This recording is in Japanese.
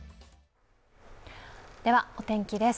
では、お天気です。